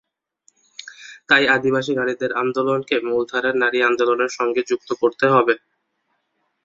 তাই আদিবাসী নারীদের আন্দোলনকে মূলধারার নারী আন্দোলনের সঙ্গে যুক্ত করতে হবে।